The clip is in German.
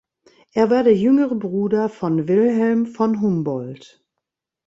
Er war der jüngere Bruder von Wilhelm von Humboldt.